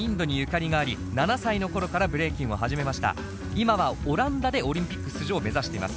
今はオランダでオリンピック出場を目指しています。